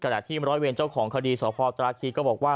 ขณะที่ร้อยเวรเจ้าของคดีสพตราคีก็บอกว่า